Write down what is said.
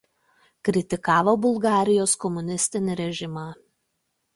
Kritikavo Bulgarijos komunistinį režimą.